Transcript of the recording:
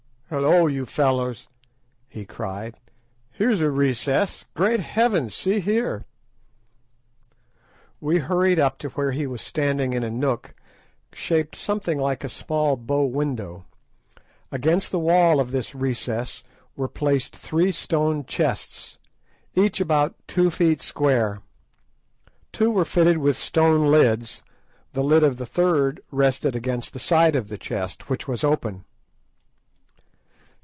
"Hullo, you fellows," he cried, "here's a recess. Great heavens! see here." We hurried up to where he was standing in a nook, shaped something like a small bow window. Against the wall of this recess were placed three stone chests, each about two feet square. Two were fitted with stone lids, the lid of the third rested against the side of the chest, which was open.